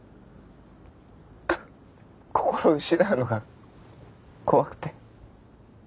こころを失うのが怖くて。